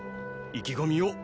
意気込みを。